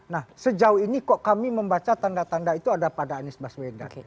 nah sejauh ini kok kami membaca tanda tanda itu ada pada anies baswedan